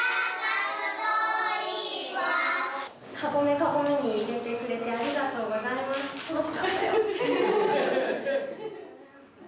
かごめかごめに入れてくれてありがとうございます。